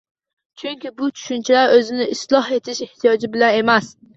Chunki bu tushunchalar o‘zni isloh etish ehtiyoji bilan emas